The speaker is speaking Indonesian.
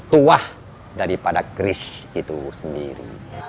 tuah daripada kris itu sendiri